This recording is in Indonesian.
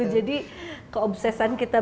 jadi keobsesan kita